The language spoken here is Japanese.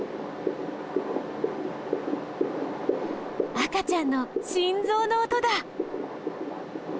赤ちゃんの心ぞうの音だ！